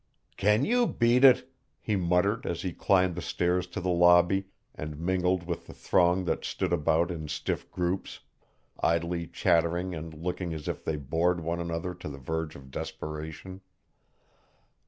"Can you beat it!" he muttered as he climbed the stairs to the lobby and mingled with the throng that stood about in stiff groups, idly chattering and looking as if they bored one another to the verge of desperation.